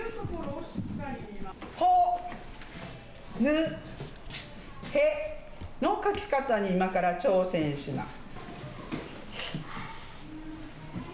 ほ、ぬ、への書き方に今から挑戦します。